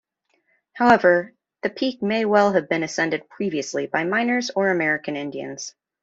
However, the peak may well have been ascended previously by miners or American Indians.